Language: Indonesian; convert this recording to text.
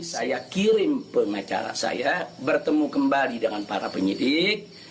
saya kirim pengacara saya bertemu kembali dengan para penyidik